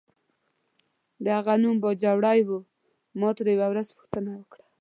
د هغه نوم باجوړی و، ما ترې یوه ورځ پوښتنه وکړه.